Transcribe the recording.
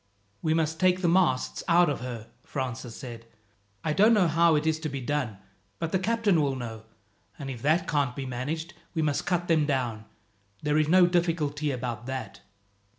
"We must take the masts out of her," Francis said. "I don't know how it is to be done, but the captain will know, and if that can't be managed we must cut them down. There is no difficulty about that.